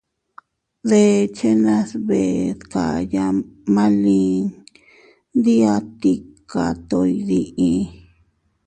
Dechenas bee dkaya ma lin ndi a tika to iydii.